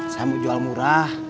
saya mau jual murah